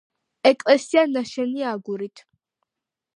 ეკლესია ნაშენია აგურით.